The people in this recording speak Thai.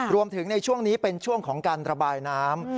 ในช่วงนี้เป็นช่วงของการระบายน้ำ